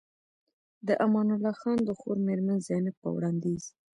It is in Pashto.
د امان الله خان د خور مېرمن زينب په وړانديز